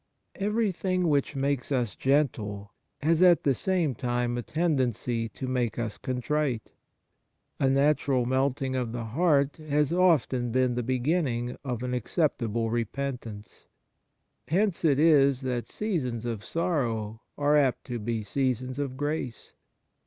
Everything which makes us gentle has at the same time a tendency to make us con trite. A natural melting of the heart has often been the beginning of an acceptable repentance. Hence it is that seasons of sorrow are apt to be seasons of grace.